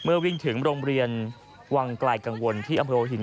เมื่อวิ่งถึงโรงเรียนวังไกล้กังวลที่อำโรหิน